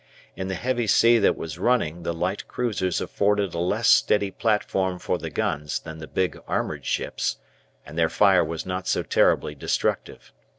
In the heavy sea that was running the light cruisers afforded a less steady platform for the guns than the big armoured ships, and their fire was not so terribly destructive.